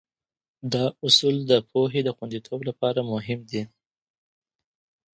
دا اصول د پوهې د خونديتوب لپاره مهم دي.